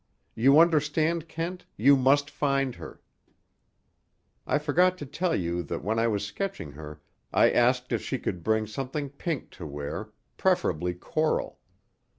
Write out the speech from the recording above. You understand, Kent, you must find her! I forgot to tell you that when I was sketching her I asked if she could bring something pink to wear, preferably coral.